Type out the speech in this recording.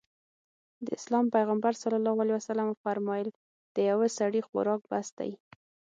د اسلام پيغمبر ص وفرمايل د يوه سړي خوراک بس دی.